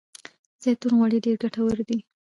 د زیتون غوړي ډیر ګټور دي.